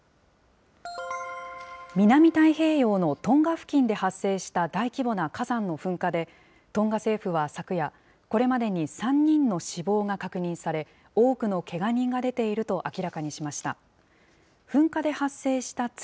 南太平洋のトンガ付近で発生した大規模な火山の噴火で、トンガ政府は昨夜、これまでに３人の死亡が確認され、多くのけが人が出ていると明らかにしました。